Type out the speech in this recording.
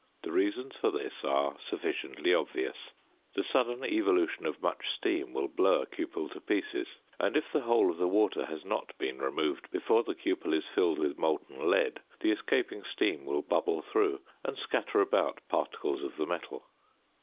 The reasons for this are sufficiently obvious: the sudden evolution of much steam will blow a cupel to pieces; and, if the whole of the water has not been removed before the cupel is filled with molten lead, the escaping steam will bubble through, and scatter about particles of the metal.